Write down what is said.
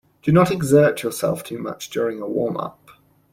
Do not exert yourself too much during a warm-up.